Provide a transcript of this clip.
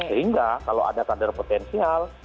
sehingga kalau ada kader potensial